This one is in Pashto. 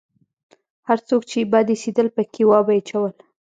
هر څوک چې يې بد اېسېدل پکښې وابه يې چول.